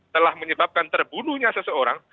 telah menyebabkan terbunuhnya seseorang